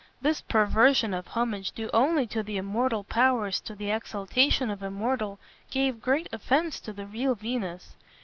This perversion of homage due only to the immortal powers to the exaltation of a mortal gave great offence to the real Venus.